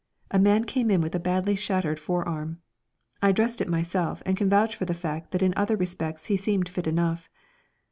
A man came in with a badly shattered forearm. I dressed it myself, and can vouch for the fact that in other respects he seemed fit enough.